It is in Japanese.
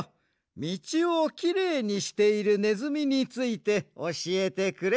みちをきれいにしているネズミについておしえてくれ。